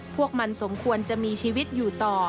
พวกมันสมควรจะมีชีวิตอยู่ต่อ